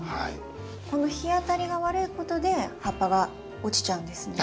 この日当たりが悪いことで葉っぱが落ちちゃうんですね？